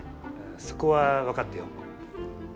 そこは分かってよ。